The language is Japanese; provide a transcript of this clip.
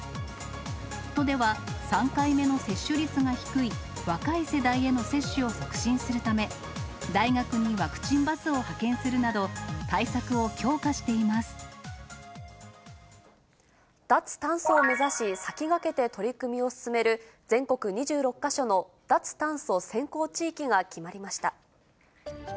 都では３回目の接種率が低い若い世代への接種を促進するため、大学にワクチンバスを派遣するなど、脱炭素を目指し、先駆けて取り組みを進める全国２６か所の脱炭素先行地域が決まりました。